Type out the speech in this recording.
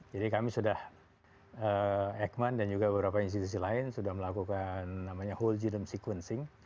jadi kami sudah ekman dan beberapa institusi lain sudah melakukan whole genome sequencing